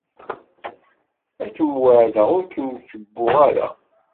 Ad kem-weɛdeɣ ur kem-kebbuɣ ara.